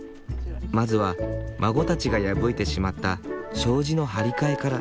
まずは孫たちが破いてしまった障子の張り替えから。